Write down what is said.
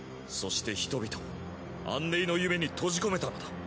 そして人々を安寧の夢に閉じ込めたのだ。